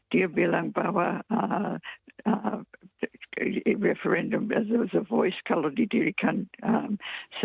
dia bilang bahwa referendum as a voice kalau didirikan semacam